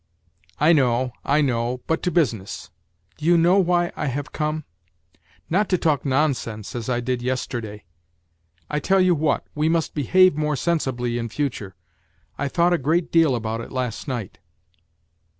" I know, I know. But to business. Do you know why I have come ? Not to talk nonsense, as I did yesterday. I tell you what, we must behave more sensibly in future. I thought a great deal about it last night."